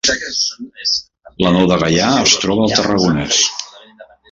La Nou de Gaià es troba al Tarragonès